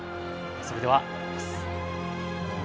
それではまいります。